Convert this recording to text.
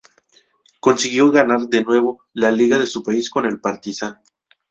Consiguió ganar de nuevo la liga de su país con el Partizan.